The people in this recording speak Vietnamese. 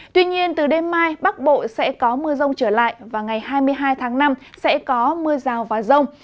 tuy nhiên từ đêm mai bắc bộ sẽ có mưa rông trở lại và ngày hai mươi hai tháng năm sẽ có mưa rào và rông